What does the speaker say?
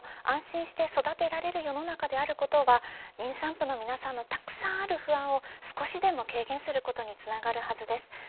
安心して育てられる世の中であることは妊産婦の皆さんのたくさんある不安を少しでも軽減することにつながるはずです。